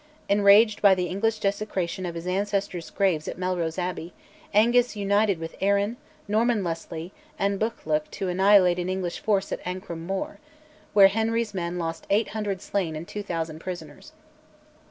Enraged by the English desecration of his ancestors' graves at Melrose Abbey, Angus united with Arran, Norman Leslie, and Buccleuch to annihilate an English force at Ancrum Moor, where Henry's men lost 800 slain and 2000 prisoners.